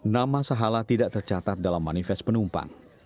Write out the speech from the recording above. nama sahala tidak tercatat dalam manifest penumpang